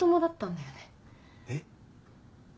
えっ？